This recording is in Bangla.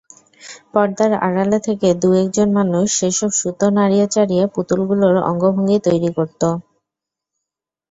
পর্দার আড়াল থেকে দু-একজন মানুষ সেসব সুতো নাড়িয়ে-চাড়িয়ে পুতুলগুলোর অঙ্গভঙ্গি তৈরি করত।